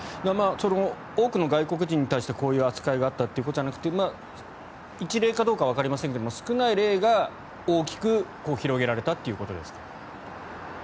多くの外国人に対してこういう扱いがあったということじゃなくて一例かどうかわかりませんが少ない例が大きく広げられたということですか。